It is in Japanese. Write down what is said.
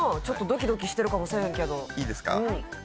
ちょっとドキドキしてるかもせえへんけどいいですか？